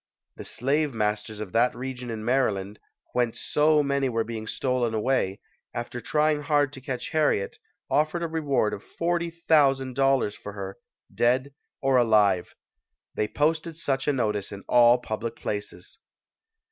The slave masters of that region in Maryland, whence so many were being stolen away, after trying hard to catch Harriet, offered a reward of $40,000 for her, dead or alive. They posted such a notice in all public places.